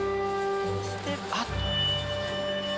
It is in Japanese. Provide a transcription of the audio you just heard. あっ。